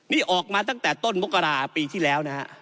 นี่ออกมาตั้งแต่ต้นมกราปีที่แล้วนะฮะ